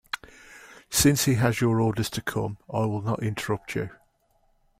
Since he has your orders to come, I will not interrupt you.